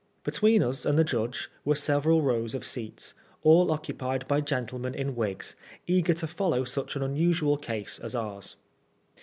Between us and the judge were several rows of seats, all occupied by gentlemen in wigs, eager to follow such an unusual case as ours.